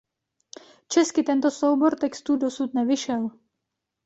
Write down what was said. Česky tento soubor textů dosud nevyšel.